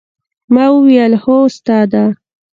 ما وويل هو استاده.